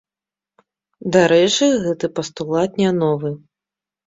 Дарэчы, гэты пастулат не новы.